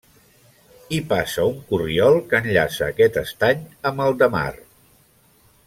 Hi passa un corriol que enllaça aquest estany amb el de Mar.